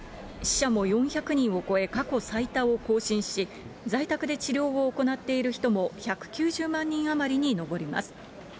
死者も４００人を超え、過去最多を更新し、在宅で治療を行っている人も１９０万人余りに上ります。